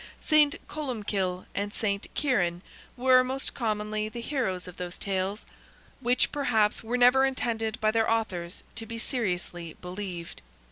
St. Columbkill and St. Kieran were, most commonly, the heroes of those tales, which, perhaps, were never intended by their authors to be seriously believed.